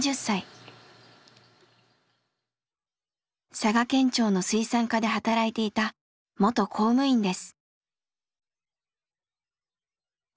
佐賀県庁の水産課で働いていた元公務員です。